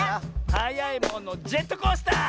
「はやいものジェットコースター！」